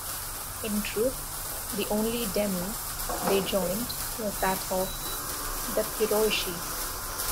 In truth, the only "deme" they joined was that of the Perioeci.